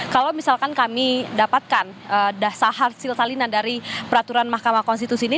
kalau misalkan kami dapatkan dasar hasil salinan dari peraturan mahkamah konstitusi ini